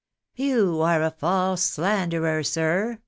" You are a false slanderer, sir